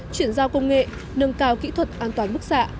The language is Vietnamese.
chuyển giao công nghệ nâng cao kỹ thuật an toàn bức xạ